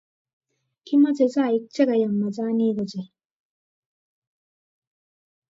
Kimache chaik che kayam majanik ochei